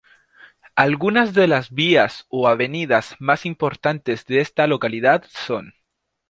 Algunas de las vías o avenidas más importantes de esta localidad son;